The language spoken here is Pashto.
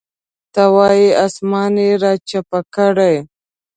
ته وایې اسمان یې راچپه کړی.